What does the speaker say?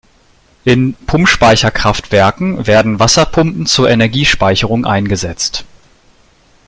In Pumpspeicherkraftwerken werden Wasserpumpen zur Energiespeicherung eingesetzt.